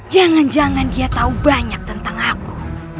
jangan jangan dia tahu banyak tentang aku